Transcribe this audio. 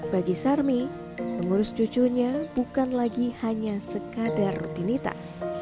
bagi sarmi mengurus cucunya bukan lagi hanya sekadar rutinitas